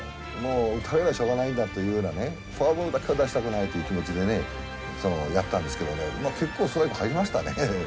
打たれりゃしょうがないんだというようなねフォアボールだけは出したくないという気持ちでねやったんですけどね結構ストライク入りましたね。